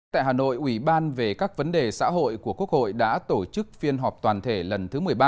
tại hà nội ủy ban về các vấn đề xã hội của quốc hội đã tổ chức phiên họp toàn thể lần thứ một mươi ba